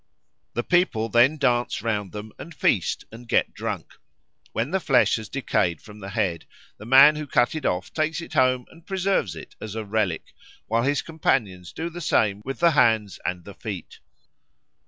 The people then dance round them and feast and get drunk. When the flesh has decayed from the head, the man who cut it off takes it home and preserves it as a relic, while his companions do the same with the hands and the feet.